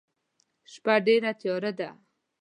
شپه ډيره تیاره ده.